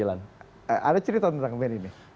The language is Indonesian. ada cerita tentang band ini